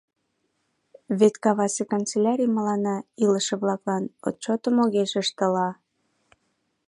Вет кавасе канцелярий мыланна, илыше-влаклан, отчётым огеш ыште ла.